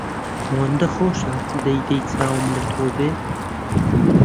ئەوەندە خۆشە دەی دەی چاوم لە تۆ بێ